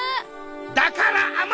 だからあまい！